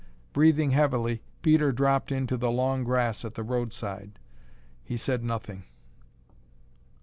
Breathing heavily, Peter dropped into the long grass at the road side. He said nothing.